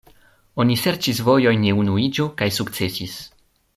Oni serĉis vojojn je unuiĝo kaj sukcesis.